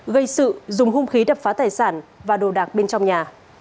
gây sự dùng hung khí đập phá tài sản và đồ đạc bên trong nhà